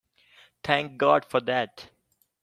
Thank God for that!